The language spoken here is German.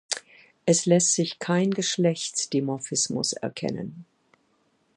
Es lässt sich kein Geschlechtsdimorphismus erkennen.